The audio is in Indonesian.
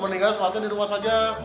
mendingan solatnya di rumah saja